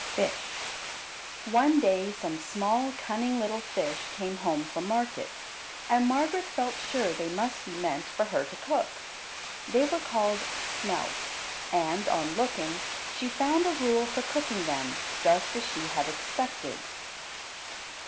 FISH One day some small, cunning little fish came home from market, and Margaret felt sure they must be meant for her to cook. They were called smelts, and, on looking, she found a rule for cooking them, just as she had expected.